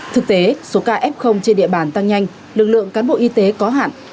thực tế số ca f trên địa bàn tăng nhanh lực lượng cán bộ y tế có hạn